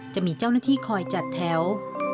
จะมีเจ้าหน้าที่คอยจัดแถว